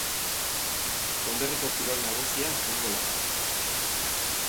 Konderriko kirol nagusia futbola da.